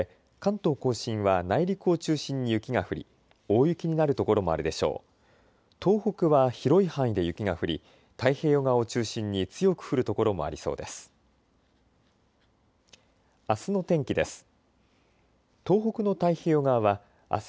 東北は広い範囲で雪が降り太平洋側を中心に強く降る所もありそうです。